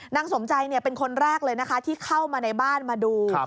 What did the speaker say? นางสมใจเป็นคนแรกเลยนะคะที่เข้ามาในบ้านมาดู